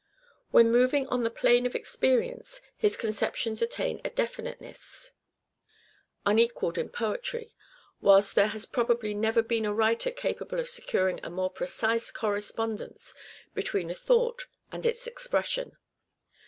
When moving on the plane Auto of experience his conceptions attain a definiteness unequa^d in poetry, whilst there has probably never been a writer capable of securing a more precise correspondence between a thought and its expression.